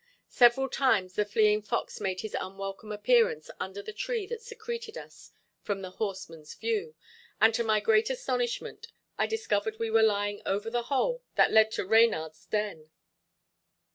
Several times the fleeing fox made his unwelcome appearance under the tree that secreted us from the horsemen's view, and to my great astonishment I discovered we were lying over the hole that led to reynard's den.